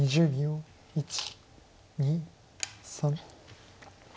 １２３。